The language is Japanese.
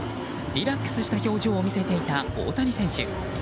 リラックスした表情を見せていた大谷選手。